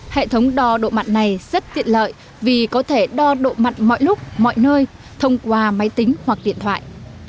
hệ thống đo độ mặn này rất tiện lợi vì có thể đo độ mặn mọi lúc mọi nơi thông qua máy tính hoặc điện thoại